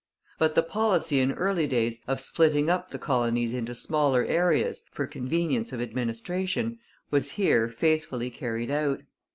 But the policy in early days of splitting up the colonies into smaller areas, for convenience of administration, was here faithfully carried out.